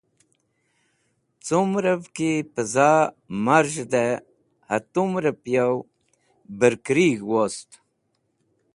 Cumrẽv ki pẽ zaẽ marez̃hdẽ hatumrẽb ya bẽrkũrig̃h wost.